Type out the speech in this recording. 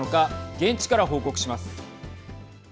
現地から報告します。